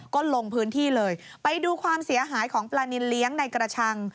ก็ลงพื้นที่เลยไปดูความเสียหายของปลานินเลี้ยงในกระชัง